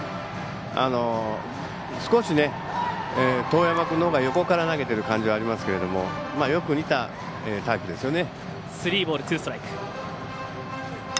少し、當山君のほうが横から投げている感じがありますがよく似たタイプですよね。